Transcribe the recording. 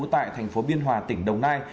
tại thành phố biên hòa tỉnh đồng nai